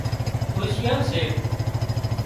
اوشيئان سي